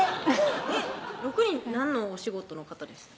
６人何のお仕事の方でした？